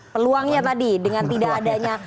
peluangnya tadi dengan tidak adanya